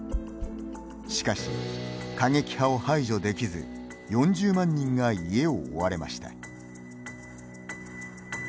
しかし、過激派を排除できず４０万人が家を追われました。